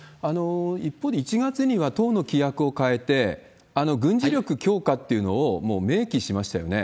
一方で、１月には党の規約を変えて、軍事力強化っていうのをもう明記しましたよね。